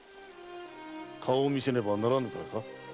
顔を見せねばならぬからか？